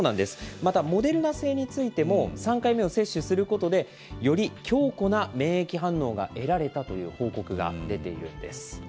またモデルナ製についても、３回目を接種することでより強固な免疫反応が得られたという報告が出ているんです。